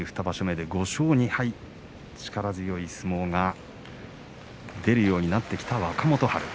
２場所目で５勝２敗力強い相撲が出るようになってきた、若元春。